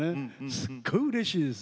すっごいうれしいです。